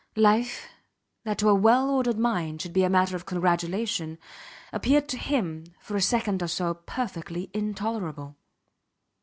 Life, that to a well ordered mind should be a matter of congratulation, appeared to him, for a second or so, perfectly intolerable.